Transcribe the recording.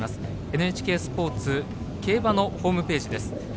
ＮＨＫスポーツの競馬のホームページです。